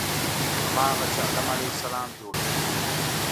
هماغه چې آدم علیه السلام جوړ کړ.